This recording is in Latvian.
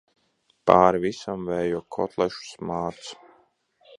Pāri visam vējo kotlešu smārds.